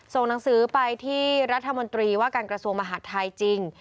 ส่งหนังสือไปที่รัฐมนตรีว่าการกระทรวงมหาดไทยจริง